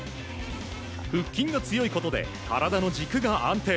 腹筋が強いことで体の軸が安定。